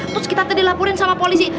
terus kita teh dilaporin sama polisi